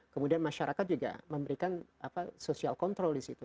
kemudian masyarakat juga memberikan social control di situ